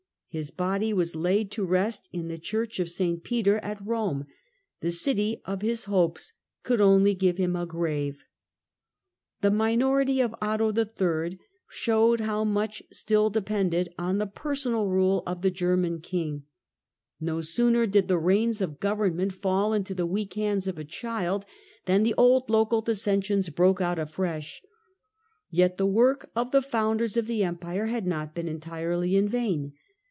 His body was laid to rest in, the Church of St Peter at I 18 THE CENTRAL PERIOD OF THE MIDDLE AGE Rome. The city of his hopes could only give him a grave, otto in., The minority of Otto III. showed how much still the Wonder of depended on the personal rule of the German king. No 983 1002 ' sooner did the reins of government fall into the weak hands of a child than the old local dissensions broke out afresh. Yet the work of the founders of the Empire had not been entirely in vain.